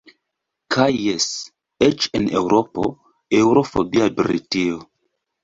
Kaj jes – eĉ en eŭropo-, eŭro-fobia Britio.